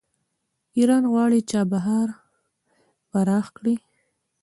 ایران غواړي چابهار پراخ کړي.